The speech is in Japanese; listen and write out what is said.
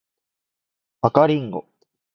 赤リンゴ